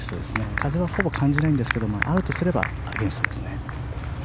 風はほぼ感じないんですがあるとすればアゲンストですね。